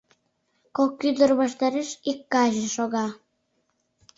Кок ӱдыр ваштареш ик каче шога.